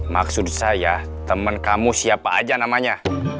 maksud saya temen kamu siapa aja namanya